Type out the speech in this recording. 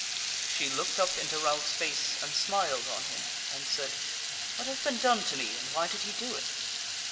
She looked up into Ralph's face, and smiled on him and said: "What hath been done to me, and why did he do it?"